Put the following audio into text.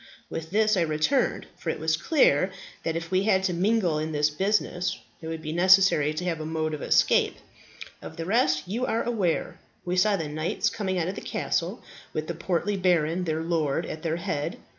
With this I returned, for it was clear that if we had to mingle in this business it would be necessary to have a mode of escape. Of the rest you are aware. We saw the knights coming out of the castle, with that portly baron, their lord, at their head.